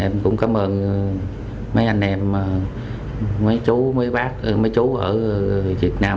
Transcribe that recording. em cũng cảm ơn mấy anh em mấy chú mấy bác mấy chú ở việt nam